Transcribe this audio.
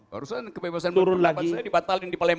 barusan kebebasan berpendapat saya dibatalin di palembang